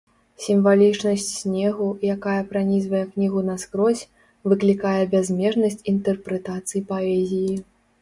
Сімвалічнасць снегу, якая пранізвае кнігу наскрозь, выклікае бязмежнасць інтэрпрэтацый паэзіі.